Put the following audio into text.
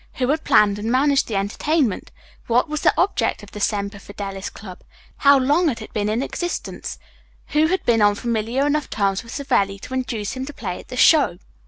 Who had planned and managed the entertainment? What was the object of the "Semper Fidelis Club"? How long had it been in existence? Who had been on familiar enough terms with Savelli to induce him to play at the "show"?